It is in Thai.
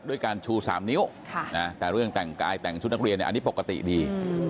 ด้วยการชู๓นิ้วแต่เรื่องแต่งกายแต่งชุดนักเรียนอันนี้ปกติดี